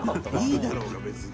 「いいだろうが別に」